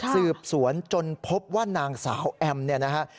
สืบสวนจนพบว่านางสาวแอมเนี่ยนะฮะ